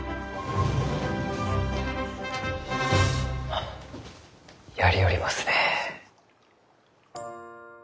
ああやりよりますねえ。